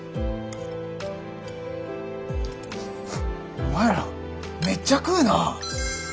お前らめっちゃ食うな。